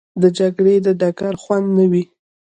د جګړې د ډګر خوند نه وو.